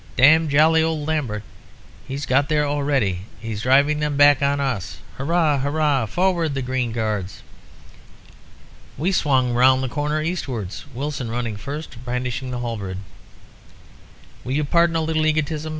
'Damned jolly old Lambert! He's got there already! He's driving them back on us! Hurrah! hurrah! Forward, the Green Guards!' "We swung round the corner eastwards, Wilson running first, brandishing the halberd "Will you pardon a little egotism?